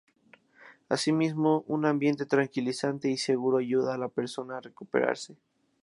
Asimismo, un ambiente tranquilizante y seguro ayuda a la persona a recuperarse.